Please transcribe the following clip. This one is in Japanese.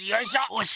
おし！